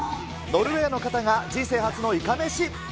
ノルウェーの方が人生初のいかめし。